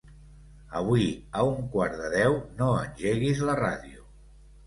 Avui a un quart de deu no engeguis la ràdio.